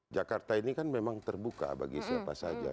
jakarta ini kan memang terbuka bagi siapa saja